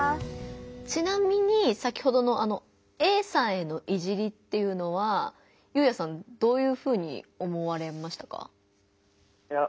ちなみに先ほどのＡさんへの「いじり」っていうのはゆうやさんどういうふうに思われましたか？